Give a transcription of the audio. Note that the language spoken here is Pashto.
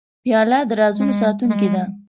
پیاله د رازونو ساتونکې ده.